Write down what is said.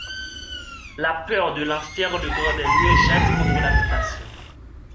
La peur de l'enfer le gardait mieux jadis contre la tentation.